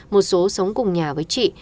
một số sống cùng nhà với chị